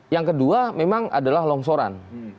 yang kedua memang adalah longsoran